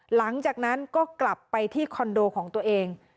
หลังจากนั้นก็กลับไปที่คอนโดของตัวเอง